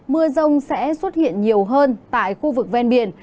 mưa rông sẽ xuất hiện nhiều hơn tại khu vực ven biển